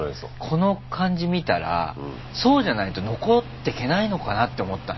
この感じ見たらそうじゃないと残ってけないのかなって思ったね。